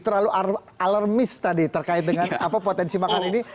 terlalu alarmis tadi terkait dengan potensi makar ini